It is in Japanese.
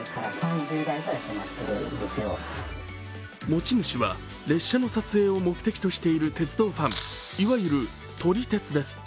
持ち主は列車の撮影を目的としている鉄道ファン、いわゆる撮り鉄です。